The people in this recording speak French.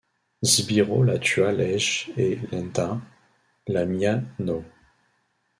Sbirro, la tua legge è lenta... la mia no!